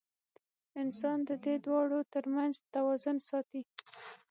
انسان د دې دواړو تر منځ توازن ساتي.